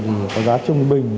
thì có giá trung bình